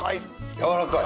やわらかい。